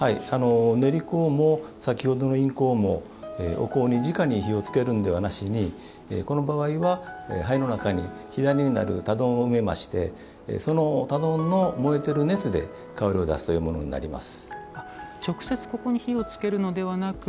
煉香も先ほどの印香もお香に直に火をつけるんではなしにこの場合は、灰の中に火種の炭団になるものを埋めましてその燃えている熱で炭団に香りを出すということになります。